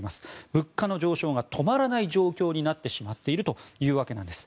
物価の上昇が止まらない状況になってしまっているというわけです。